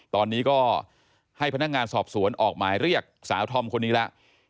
ตอนนี้ก็ให้พนักงานสอบสวนออกหมายเรียกสาวธอมคนนี้แล้ว